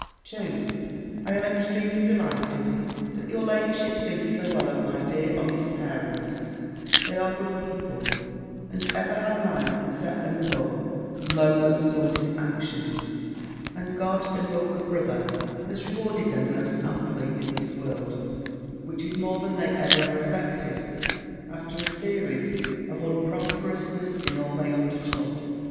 2. I am extremely delighted, that your ladyship thinks so well of my dear honest parents: they are good people, and ever had minds that set them above low and sordid actions: and God and your good brother has rewarded them most amply in this world, which is more than they ever expected, after a series of unprosperousness in all they undertook.